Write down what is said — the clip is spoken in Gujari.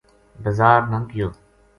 بزار نا گیو۔